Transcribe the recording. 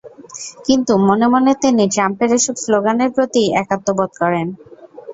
কিন্তু মনে মনে তিনি ট্রাম্পের এসব স্লোগানের প্রতিই একাত্ম বোধ করেন।